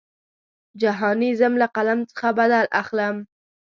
جهاني ځم له قلم څخه بدل اخلم.